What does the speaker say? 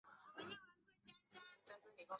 博新最后被刘家昌掏空而结束营业。